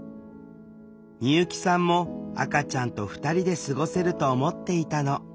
美由紀さんも赤ちゃんと２人で過ごせると思っていたの。